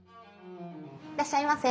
いらっしゃいませ。